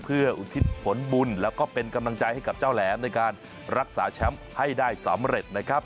เพื่ออุทิศผลบุญแล้วก็เป็นกำลังใจให้กับเจ้าแหลมในการรักษาแชมป์ให้ได้สำเร็จนะครับ